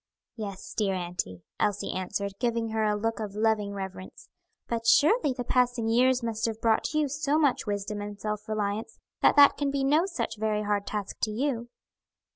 "Yes, dear auntie," Elsie answered, giving her a look of loving reverence, "but surely the passing years must have brought you so much wisdom and self reliance that that can be no such very hard task to you."